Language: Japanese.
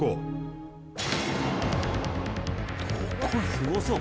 すごそう。